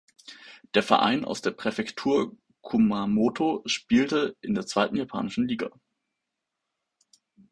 Der Verein aus der Präfektur Kumamoto spielte in der zweiten japanischen Liga.